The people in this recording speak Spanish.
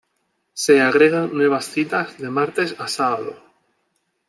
Se agregan nuevas citas de martes a sábado.